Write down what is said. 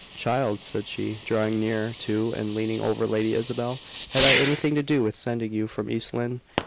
"Child," said she, drawing near to and leaning over Lady Isabel, "had I anything to do with sending you from East Lynne?"